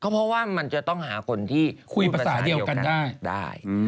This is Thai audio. เพราะว่ามันจะต้องหาคนที่คุยภาษาเดียวกันได้